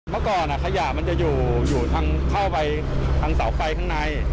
เมื่อก่อนขยะมันจะอยู่ทางเข้าไปทางเสาไฟข้างใน